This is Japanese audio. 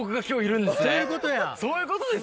そういうことや。